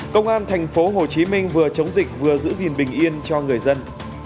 công an thành phố hồ chí minh vừa chống dịch vừa giữ gìn bình yên cho người dân